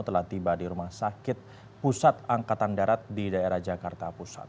telah tiba di rumah sakit pusat angkatan darat di daerah jakarta pusat